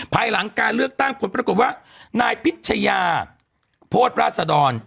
ภายหลังการเลือกตั้งผลปรากฏว่านายพิชยาโพธิราชดร